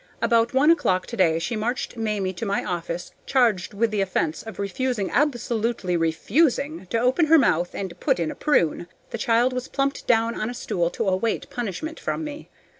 About one o'clock today she marched Mamie to my office charged with the offense of refusing, ABSOLUTELY refusing, to open her mouth and put in a prune. The child was plumped down on a stool to await punishment from me.